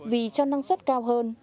vì cho năng suất cao hơn